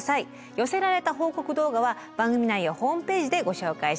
寄せられた報告動画は番組内やホームページでご紹介します。